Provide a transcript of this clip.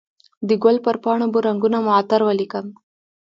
د ګل پر پاڼو به رنګونه معطر ولیکم